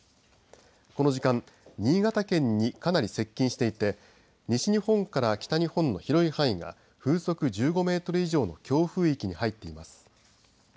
この時間新潟県にかなり接近していて西日本から北日本の広い範囲は風速１５メートル以上の強風域に入っています。